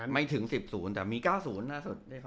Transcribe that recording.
ไม่ถึง๑๐แต่มี๙๐ล่าสุด